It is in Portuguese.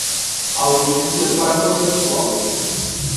Audiência pré-processual